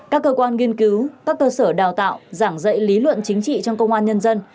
các cơ quan nghiên cứu các cơ sở đào tạo giảng dạy lý luận chính trị trong công an nhân dân